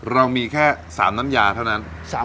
เรามีแค่๓น้ำยาเท่านั้น